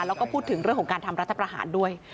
แล้วก็พูดถึงเรื่องของการทำรัฐประหารด้วย